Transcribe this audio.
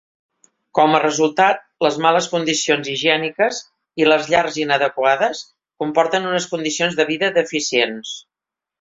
Com a resultat, les males condicions higièniques i les llars inadequades comporten unes condicions de vida deficients.